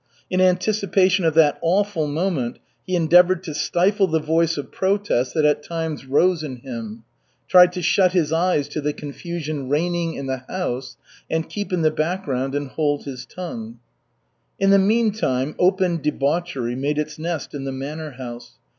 In anticipation of that awful moment, he endeavored to stifle the voice of protest that at times rose in him, tried to shut his eyes to the confusion reigning in the house, and keep in the background and hold his tongue. In the meantime open debauchery made its nest in the manor house.